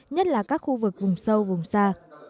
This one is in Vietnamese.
nhất là các khu vực vùng sâu vùng xa